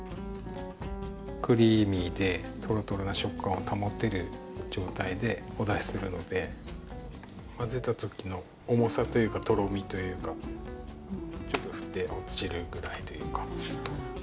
クリーミーでとろとろな食感を保てる状態でお出しするので混ぜた時の重さというかとろみというかちょっと振って落ちるぐらいというか。